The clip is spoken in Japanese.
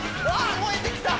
燃えてきた！